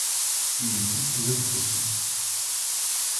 Il est entouré de fossés.